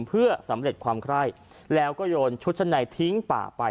เพื่อสำเร็จความไคร้แล้วก็โยนชุดชั้นในทิ้งป่าไป